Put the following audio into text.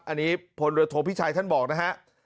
อันนี้ผลเรือโทษพี่ชัยท่านบอกนะครับ